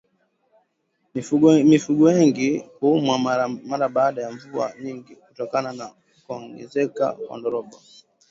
Mifugo wengi kuumwa mara baada ya mvua nyingi kutokana na kuongezeka kwa ndorobo